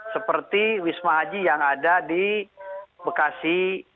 seperti wisma haji yang ada di bekasi